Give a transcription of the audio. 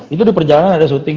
itu di perjalanan ada syuting